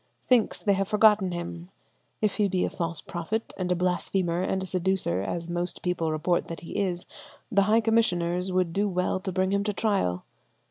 Thinks they have forgotten him. If he be a false prophet and a blasphemer and a seducer, as most people report that he is, the high commissioners would do well to bring him to trial.